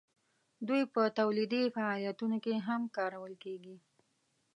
دوی په تولیدي فعالیتونو کې هم کارول کیږي.